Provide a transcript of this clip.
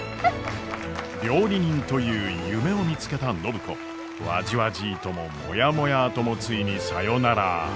料理人という夢を見つけた暢子。わじわじーとももやもやーともついにさよなら！